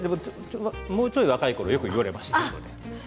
もうちょっと若いころよく言われました。